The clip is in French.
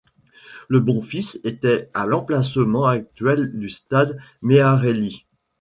Le Bonfils était à l'emplacement actuel du stade Méarelli.